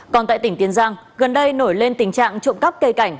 còn tại tỉnh tiền giang gần đây nổi lên tình trạng trộm cắp cây cảnh